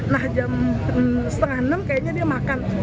nah jam setengah enam kayaknya dia makan